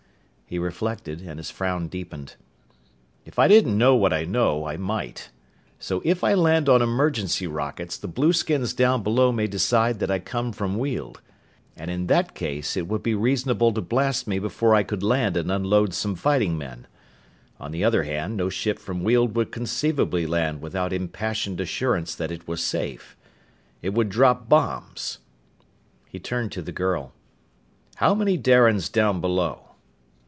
He reflected, and his frown deepened. "If I didn't know what I know, I might. So if I land on emergency rockets the blueskins down below may decide that I come from Weald. And in that case it would be reasonable to blast me before I could land and unload some fighting men. On the other hand, no ship from Weald would conceivably land without impassioned assurance that it was safe. It would drop bombs." He turned to the girl. "How many Darians down below?"